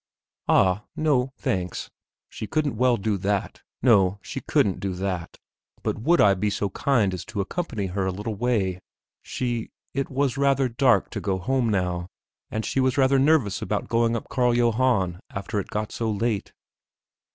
Ah, no, thanks; she couldn't well do that. No! she couldn't do that; but would I be so kind as to accompany her a little way? She ... it was rather dark to go home now, and she was rather nervous about going up Carl Johann after it got so late.